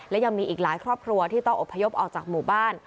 และยังมีอีกหลายครอบครัวที่ต้องอบพยพออกจากหมู่บ้าน